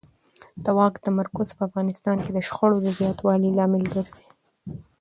د واک تمرکز په افغانستان کې د شخړو د زیاتوالي لامل ګرځي